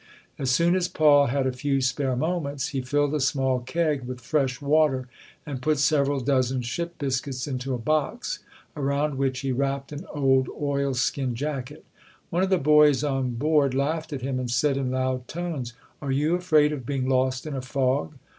As soon as Paul had a few spare moments he filled a small keg with fresh water and put several dozen ship biscuits into a box, around which he wrapped an old oilskin jacket. One of the boys on board laughed at him and said in loud tones, "Are you afraid of being lost in a fog?